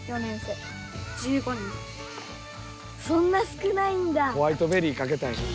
そんな少ないんだ。